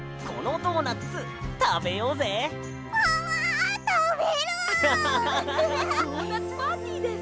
ドーナツパーティーです。